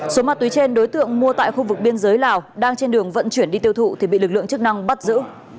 số ma túy trên đối tượng mua tại khu vực biên giới lào đang trên đường vận chuyển đi tiêu thụ thì bị lực lượng chức năng bắt giữ